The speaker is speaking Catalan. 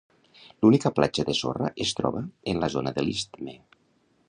L'única platja de sorra es troba en la zona de l'istme.